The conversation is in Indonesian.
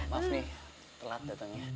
maaf nih telat datangnya